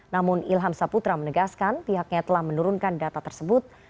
namun ilham saputra menegaskan pihaknya telah menurunkan data tersebut